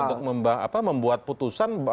untuk membuat putusan